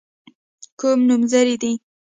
کوم نومځري دي.